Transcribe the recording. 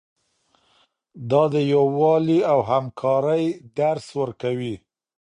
دا د یووالي او همکارۍ درس ورکوي.